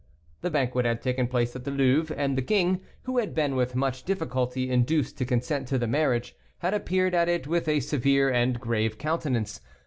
The banquet had taken place at the Louvre, and the king, who had been with much difficulty induced to consent to the marriage, had appeared at it with a severe and grave countenance.